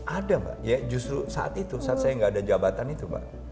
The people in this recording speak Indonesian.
ada mbak ya justru saat itu saat saya gak ada jabatan itu mbak